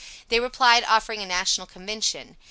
They replied, offering a National Convention.